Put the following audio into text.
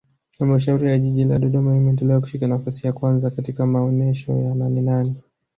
Halmashauri ya Jiji la Dodoma imeendelea kushika nafasi ya kwanza katika maonesho ya Nanenane